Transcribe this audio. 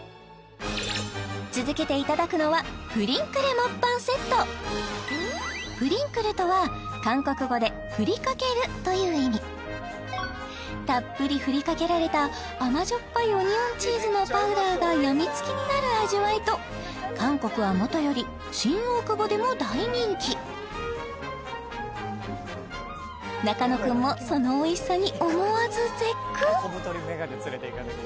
続けていただくのは「プリンクル」とは韓国語でふりかけるという意味たっぷりふりかけられた甘じょっぱいオニオンチーズのパウダーが病みつきになる味わいと韓国はもとより新大久保でも大人気中野君もそのおいしさに思わず絶句！？